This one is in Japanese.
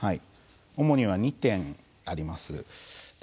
主には２点あります。